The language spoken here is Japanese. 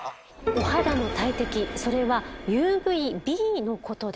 お肌の大敵それはＵＶーＢのことです。